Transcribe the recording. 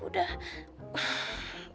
udah aku udah